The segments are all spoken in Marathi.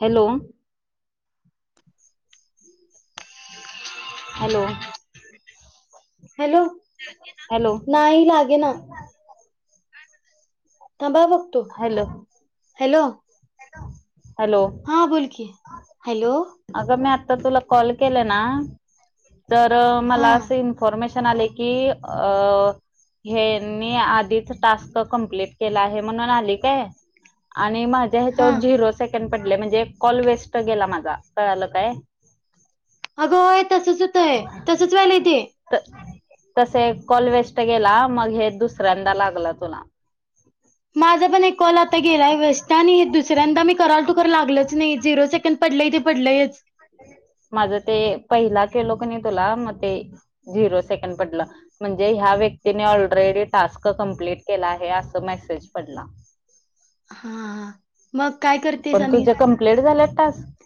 हॅलो [inaudible] हॅलो हॅलो हॅलो नाही लागे ना. थांब हा बघतो. हॅलो हॅलो हॅलो हा बोल हॅलो अगं मी आता तुला कॉल केलं ना तर हा मला असं इन्फॉर्मेशन ऑप्शन आले की अ हे मी आधीच टास्क कमप्लीट केला आहे म्हणून आलय काय आणि माझ्या हा ह्याच्यावर झिरो सेकंड पडलाय म्हणजे कॉल वेस्ट गेला माझा कळालं काय. अगं होय तसच होतय तसच व्हायलय तेे. तस एक कॉल वेस्ट गेला मग हे दुसऱ्यांदा लागला तुला. माझा पण एक कॉल आता गेलाय वेस्ट आणि हे दुसऱ्यांदा मी करालतो खर लागलंच नाही झिरो सेकंड पडलं पडलंयच. माझं ते पहिला केलो कने तुला म ते झिरो सेकंड पडलं म्हणजे ह्या व्यक्तीने ऑलरेडी टास्क कंप्लीट केला आहे असं मेसेज पडला. हा, मग काय करतेस पण आणि? तुझे कम्प्लीट झाले टास्क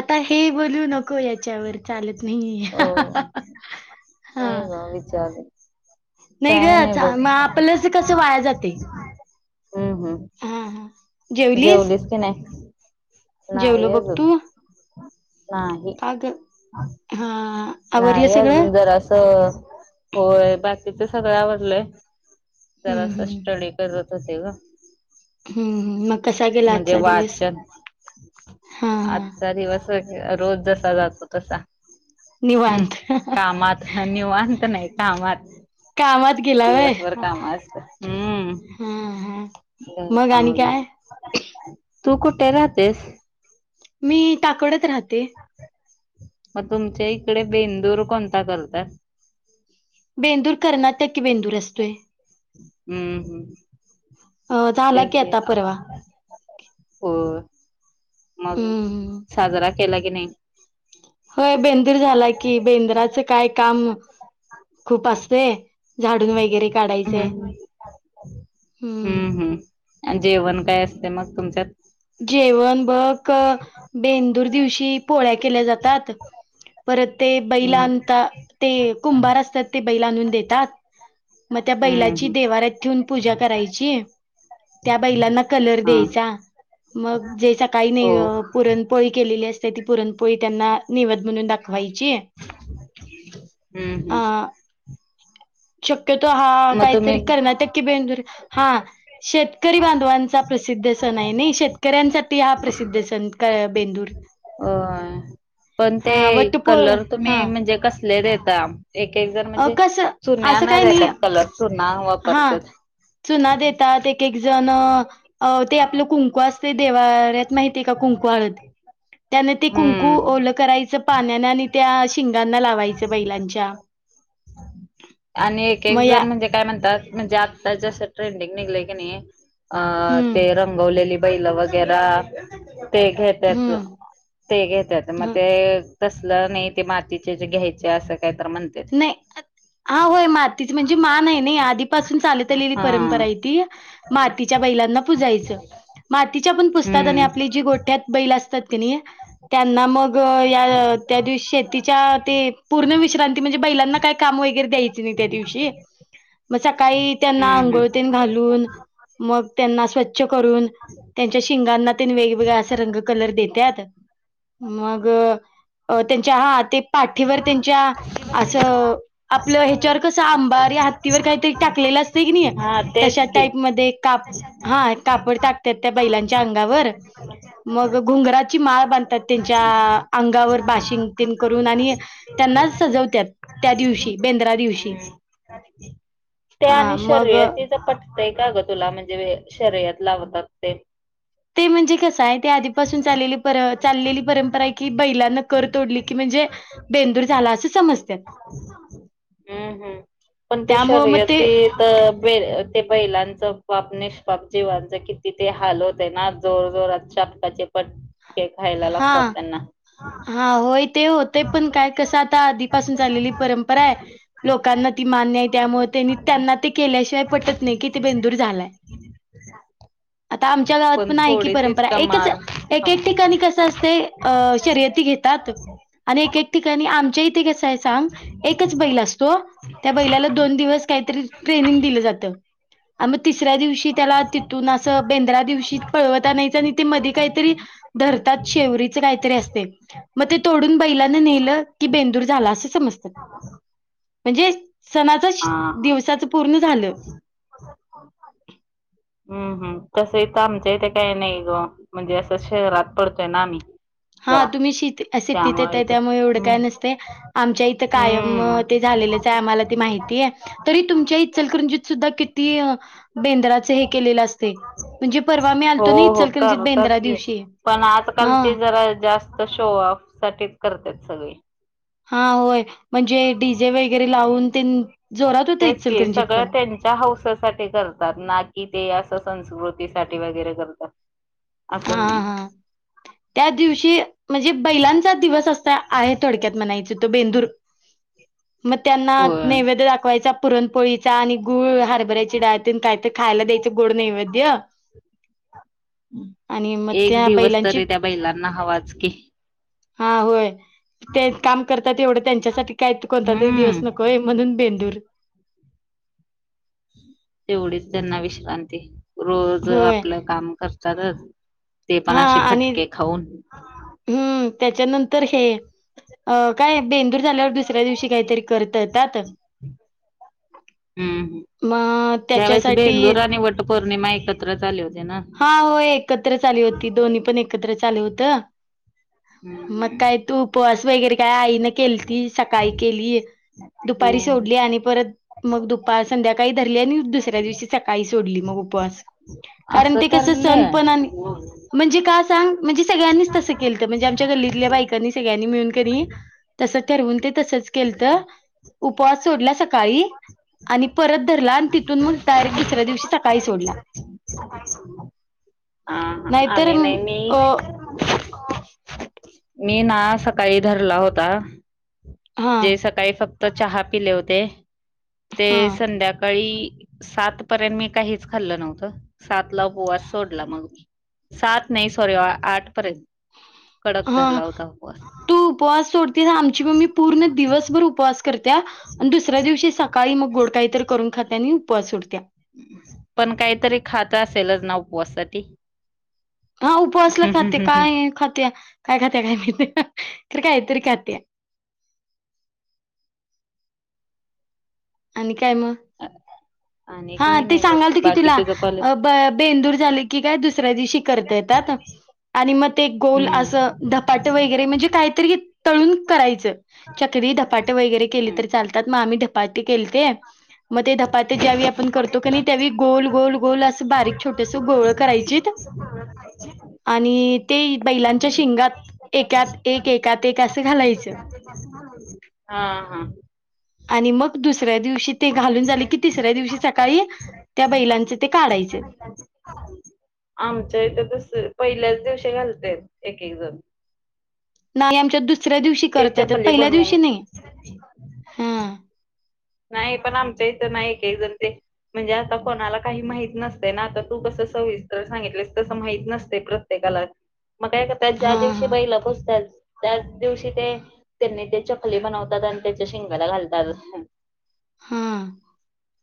आता हे बोलू नको, याच्यावर चालत अ नाहीये. [unintelligible] नाही ग विचार नाही ग काय चा बघ म आपलच कस वाया जातय. हम्म हम्म हा हा जेवलीस की नाय. जेवलो बघ तू नाही का ग हा आवरलं नाय सगळं अजून जरासं होय बाकीच सगळं आवरलंय. हम्म जरासा स्टडी करत होते ग हम्म हम्म मग कसा गेला म्हणजे आजचा दिवस वाचन हा हा आजचा दिवस रोज जसा जातो तसा हम्म निवांत कामात निवांत नाय कामात कामात गेला व्हय दिवसभर हा काम असत हूं हा मग गेलता आणि मध्ये काय मग आणि काय, तू कुठे राहतेस? मी काकडत राहते. मग तुमच्या इकडे बेंदूर कोणता करतात? बेंदूर कर्नाटकी बेंदूर असतोय हूं हम्म अ ते झाला की आता परवा हो मग हम्म साजरा केला की नाय? होय बेंदर झाला की बेंद्राचं काय काम खूप असतय. झाडून वगैरे काढायचंय. हूं हम्म हूं आणि जेवण काय असते मग तुमच्यात जेवण बक बेंदूर दिवशी पोळ्या केल्या जातात परत ते हम्म बैलांता ते कुंभार असतात ते बैला आणून देतात. म त्या हम्म बैलाची हम्म देवाऱ्यात ठेवून पूजा करायची. त्या बैलांना कलर हा द्येयचा. मग जे सकाळी नै हो पुरणपोळी केलेली असते ती पुरणपोळी त्यांना निव म्हणून दाखवायची. हम्म अ हम्म शक्यतो हा मग तुम्ही कायतरी कर्नाटक की बेदुरि हा शेत करी बांधवांचा प्रसिद्ध सण हाय नय शेतकऱ्यांसाठी हा प्रसिद्ध सण का बेंदूर. होय. पण ते हा वटपो कलर तुम्ही हा म्हणजे कसले देता. एक एक जण म्हणजे कसं चुण्या असं ना काही नाही देतात कलर चुना हा वापरतात. चुना देतात एक एक जण अ ते आपलं कुंकू अस ते देव्हाऱ्यात माहितीय का कुंकू हळद त्याने ते कुंकू हम्म. ओलं करायचं पाण्याने आणि त्या शिंगांना लावायचं बैलांच्या आणि एक एक मग या जण म्हणजे काय म्हणता ता म्हणजे आता ट्रेंडिंग निघलय का नय हम्म ते रंगवलेली बैल वगैर ते घेत्यात हम्म ते घेत्यात म ह ते तसलं नाय ते मातीचे जे घ्यायचे असं काही तर म्हणते ते नाय. अत हा होय मातीची म्हणजे मान आहे नय आधीपासून चालत आलेली हा परंपरा हाय ती मातीच्या बै लांना पुजायचं मातीच्या पण पूजतात आणि हम्म आपली जी गोठ्यात बैल असतात की नय त्यांना मग त या त्या दिवशी शेतीच्या ते पूर्ण विश्रांती म्हणजे बैलांना काय काम वगैरे हेन त्या दिवशी म काई त्यांना हम्म हम्म आंघोळ तेन घालुन मग त्यांना असं स्वच्छ करून त्यांच्या शिंगांना तेन वेगवेगळ्या अस रंग कलर देत्यात. मग त्यांच्या हा ते पाठीवर त्यांच्या असं आपलं ह्याच्यावर कसं अंबारी हत्तीवर काहीतरी टाकलेलं असतय कनी. हा तेच तशा की टाईप मध्ये का हा कापड टाकत्यात त्या बैलाच्या च्या अंगावर मग घुंगराची माळ बांधतात त्यांच्या अंगावर बाशिंग तेन करून आणि त्यांना सजवत्यात. त्या दिवशी बेंद्रा दिवशी. ते हा आणि मग शर्यतीच पटतंय का गं तुला म्हणजे शर्यत लावतात ते? ते म्हणजे कसं आहे ते आधीपासून चालेली चाललेली परंपरा आहे की, बैलांन कर तोडली की म्हणजे बेंदूर झाला असं समजत्यात. हम्म हम्म पण त्या त्यामुळं मग ते शर्यती तर ते बैलांच पाप निष्पाप जीवांच किती ते हाल होतंय ना जोर जोरात. चाबकाचे पटके खायला हा लागतात त्यांना. हा होय ते होतंय पण काय कसं आता आधीपासून चाललेली परंपरा आहे लोकांना ती मान्य आहे. त्यामुळे, आणि त्यांना ते केल्याशिवाय पटतं नाही की ते बेंदूर झालाय. ह आता आमच्या गावात पण आहे की परंपरा इतका एकच मार एक खाऊन एक हा ठिकाणी कसं असतंय शर्यती घेतात आणि एक एक ठिकाणी आमच्या इ ते कसं हाय सांग एकच बैल असतो त्या बैलाला दोन दिवस कायतरी ट्रेनिंग दिलं जातं. आम्ही तिसऱ्या दिवशी त्याला तिथून असं बेंद्र दिवशी पळवत आणायचं आणि ते मधी कायतरी धरतात शेवरीच काहीतरी असतयं. म ते तोडून बैलानं नेलं की बेंदूर झाला असं समजतात. ह्ं म्हणजे सणाचं दिवसाच पूर्ण झालं. हम् हम् तसं इथं आमच्यां इथं काय नाही गं म्हणजे असं शहरात पडतोय ना आम्ही. हा जरा तुम्ही शि शिटीत येताय इथे त्यामुळे एवढं काय हम्म नसतय आमच्या इथं कायम हम्म ते झालेलं आम्हाला काय माहिती हाय तरी तुमच्या इचलकरंजीत सुध्दा किती बेंद्राच हे केलेलं असतयं. म्हणजे परवा मी हो आलतो नयी इचलकरंजीत बेंद्रा दिवशी. हा आजकालची जरा जास्त शो ऑफ साठीच करत्यात सगळी. हा होय. म्हणजे डीजे वगैरे लावून तेन जोरात होतंय तेच की इचलकरंजीत सगळं पण. त्यांच्या हौसासाठी ना कि ते असं संस्कृतीसाठी वगैरे करतं असतात. हा असुदेत. हा त्या दिवशी म्हणजे बैलांचा दिवस असा आहे थोडक्यात म्हणायचं तो बेंदूर. मग त्यांना होय नैवेद दाखवायचा पुरणपोळीचा आणि गुळ. हरभऱ्याची डाळ तेन कायते खायला द्यायचं गोड नैवेद्य. आणि मग एक त्या दिवस बैलांची तरी त्या बैलांना हवाच की. हा होय. तेच काम करतात एवढं त्यांच्यासाठी काय कोणता तरी दिवस हम्म नको होय म्हणून बेंदूर. तेवढीच त्यांना विश्रांती रोज होय आपलं काम करतातच. ते पण हा असे आणि फटके खाऊन. हम्म त्याच्यानंतर हे अ काय बेंदूर झाल्यावर दुसऱ्या दिवशी काहीतरी कर ठेवतात. हम्म यावेळेस त्याच्यासाठी बेंदूर आणि वट पौर्णिमा एक हा होय एकत्रच आली होती दोन्ही पण एकत्रच आलं होतं. मग हम्म काय तू उपवास वगैरे काय आईन केल ती सकाळी केली. दुपारी हो सोडली आणि परत मग दुपार संध्याकाळी धरली अन् दुसऱ्या दिवशी सकाळी सोडली मग उपवास कारण असं ते कस सण करलय पण आणि म्हणजे का सांग म्हणजे सगळ्यांनीच तसं केलतं म्हणजे, आमच्या गल्लीतल्या बायकांनी सगळ्यांनी मिळून कणी तसं ठरवून ते तसचं केलतं उपवास सोडला सकाळी आणि परत धरला आणि तिथून मग डायरेक्ट दुसऱ्या दिवशी सकाळी सोडला. अ हा हा, नाहीतर आम्ही नाही मी अ मी ना, सकाळी धरला होता. हा म्हणजे सकाळी फक्त चहा पिले होते, ते हा संध्याकाळी सात पर्यंत मी काहीच खाल्ल नव्हतं, सातला उपवास सोडला मग मी. सात नाही, सॉरी आठ पर्यंत. कडक हा, धरला होता उपवास. तू उपवास सोडतेस आमची मम्मी पूर्ण दिवसभर उपवास करत्या आणि दुसऱ्या दिवशी सकाळी मग गोड काही तर करून खात्या आणि उपवास सोडत्या. पण काहीतरी खात असेलच, ना उपवासासाठी? हा, उपवासला खाते काय ये खात्या. काय खात्या काय माहित, खरं काय तरी खात्या. आणि काय म? [unintelligible] हा ते नाही बघ सांगालतकी बाकी तिला तुझं कॉलेज अ ब बेंदूर झाले की काय दुसऱ्या दिवशी करता येतात. आणि मग ते गोल हम्म. असं धपाट वगैरे म्हणजे काहीतरी तळून करायचं चकल्या. धपाटे वगैरे केली हम्म तरी चालतात म आम्ही ते केलेते म ते धपाटे ज्यावेळी आपण करतो, कणी त्यावेळी गोल गोल गोल गोल अस बारीक. छोटेस गोळ करायची आणि ते बैलांच्या शिंगात एकात एक एकात एक असं घालायचं. हा हा. आणि मग दुसऱ्या दिवशी ते घालून झाले कि, तिसऱ्या दिवशी सकाळी त्या बैलांचं ते काढायचं. आमच्या इथ तस पहिल्याच दिवशी घालत्यात एक-एक जण. नाही आमच्यात दुसऱ्या दिवशी ते करता येतात, चकली पहिल्या बनवून दिवशी नाही. हां नाही पण आमच्या इथं ना, एक-एक जण ते म्हणजे आता कोणाला काही माहित नसतय ना, आता तू कस सविस्तर सांगितलीस तस माहित नसतय प्रत्येकाला. मग काय करताात, ज्या हां दिवशी हां बैल पुजतात, त्याच दिवशी ते त्यांनी ते चप खली बनवतात, आणि त्याच्या शेंगाला घालतात. हम्म.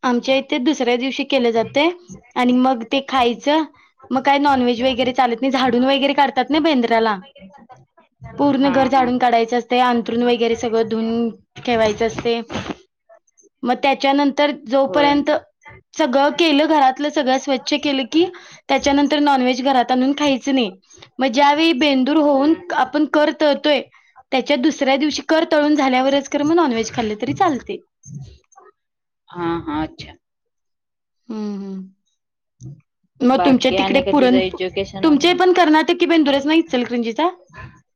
आमच्या इथे दुसऱ्या दिवशी केलं जातंय, इथे दुसऱ्या आणि दिवशी मग केलं ते जातंय खायचं मग ते काय नॉनव्हेज खायचं. वगैरे चालत नाही, काही झाडून वगैरे मागून काढतात खायचं, नई झाडून बेंद्राला. [unintelligible] पूर्ण घर हा. झाडून काढायचं असतय, अंंतरुण वगैरे सगळं धुन ठेवायचं असतय. मग त्याच्यानंतर होय. जोपर्यंत सगळं केलं घरातलं, सगळं स्वच्छ केलं की त्याच्यानंतर नॉनव्हेज घरात आणून खायच नाही, मग ज्या वेळी बेंदूर होऊन हम्म आपण कर तळतोय त्याच्या दुसऱ्या दिवशी, कर तळून झाल्यावरच खर मग नॉनव्हेज खाल्ल तरी चालतंय. हा हा अच्छा. हम्म, हम्म. [unintelligible] म तुमच्या बाकी तिकडे आणि काय तुझं पुरण पो, एज्युकेशन तुमचे वगैरे पण कर्नाटकी बेंदुरच ना इचलकरंजीचा.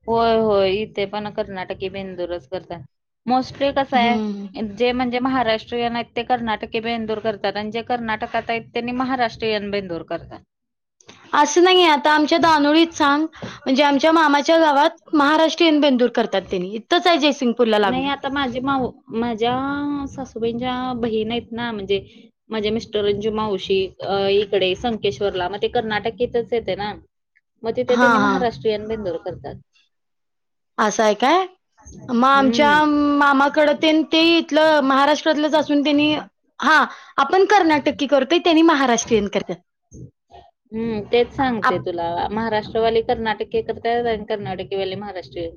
होय-होय इथे पण कर्नाटकी बेंदू रच करत्यात, मोस्टली कसय हम्म. जे म्हणजे महाराष्ट्रीयन हाईत. ते कर्नाटकी बेंदूर करतात, आणि जे कर्नाटकात आहेत ते महाराष्ट्रीयन बेंदूर करतात. असं नाही, आता आमच्या दानोळीत सांग, म्हणजे आमच्या मामाच्या गा गावात महाराष्ट्रीयन बेंदूर करतात, त्यांनी इथचं आहे जयसिंग नाही आता माझी माऊ माझ्या सासूबाईंच्या बहीण आहेत. ना म्हणजे माझे मिस्टर अंजू मावशी इकडे संकेश्वरला मग ते कर्नाटकेतचं येतंय ना, म तिथे हा त्यांनी हा महाराष्ट्रीयन बेंदूर करतात. असं आहे काय मग आम च्या हम्म मामाकडतेन ते इथलं महाराष्ट्रातलंच असून, त्यांनी हा आपण कर्नाटकी करतोय, त्यांनी महाराष्ट्रीयन करत्यात. हम्म, तेच सांगते तुला महाराष्ट्र [unintelligible] वाली कर्नाटकी करत्यात, आणि कर्नाटकीवाली महाराष्ट्रीयन.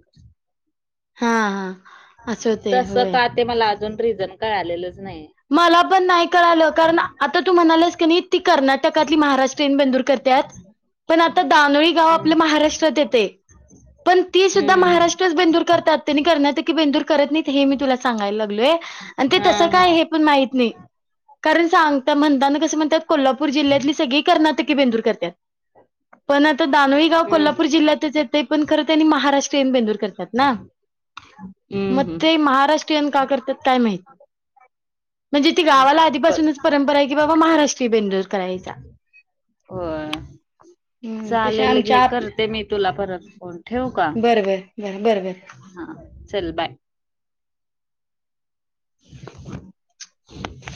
हा हा असं होतंय तसं होय का, ते मला अजून रिझन कळालेलंच नाही मला पण नाही कळालं, कारण आता तू म्हणालेस की नाही, ती टकातली महाराष्ट्रीयन बेंदुर करत्यात, पण आता दानोळी गाव हम्म आपल्या महाराष्ट्रात येतय. पण ती सुद्धा हम्म हम्म. महाराष्ट्रच बेंदूर करतात, तेन्ही कर्नाटकी बेंदुर करत नाहीत, हे मी तुला सांगायला लागलोय, अन् ते हा तस हा काय हे पण माहित नाही, कारण सांगता म्हणतान कसं म्हणत्यात, कोल्हापूर जिल्ह्यातली सगळी कर्नाटकी की बेंदुर करत्यात, पण आता दानोळी गाव हम्म कोल्हापूर जिल्ह्यातच येत तय, पण खरं तेन्ही महाराष्ट्रयन बेंदुर करत्यात ना, हम्म मग हम्म ते महाराष्ट्रीयन का करत्यात, काय माहित. म्हणजे ती गावाला हम्म. बर आधीपासूनच परंपरा आहे, की बाबा महाराष्ट्रीय बेंदुर करायचा. होय. हम्म तशा चालेल आमच्या घे आप करते, मी तुला परत फोन ठेऊ का? बर बर बर बर बर. हा, चल बाय! [unintelligible]